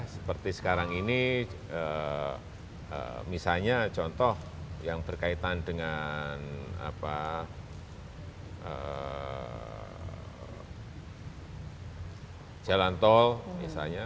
seperti sekarang ini misalnya contoh yang berkaitan dengan jalan tol misalnya